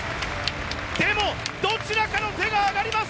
でも、どちらかの手が挙がります。